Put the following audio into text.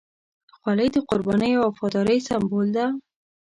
خولۍ د قربانۍ او وفادارۍ سمبول ده.